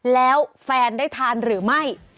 แล้วแฟนได้ทานหรือไม่